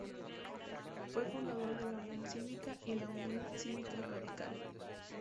Fue fundador de la Unión Cívica y la Unión Cívica Radical.